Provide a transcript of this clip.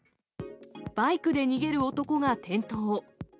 バイクで逃げる男が転倒。